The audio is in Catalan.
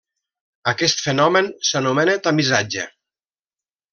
Aquest fenomen s'anomena tamisatge.